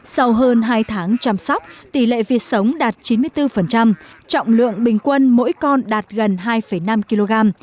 sau hơn hai tháng chăm sóc tỷ lệ vịt sống đạt chín mươi bốn trọng lượng bình quân mỗi con đạt gần hai năm kg